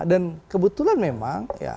dan kebetulan memang